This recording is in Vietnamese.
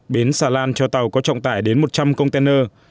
bến xà lan cho tàu có trọng tải đến một trăm linh container